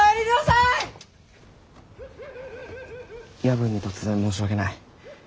夜分に突然申し訳ない。